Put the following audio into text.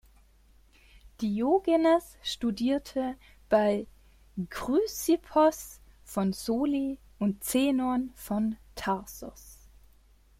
Diogenes studierte bei Chrysippos von Soli und Zenon von Tarsos.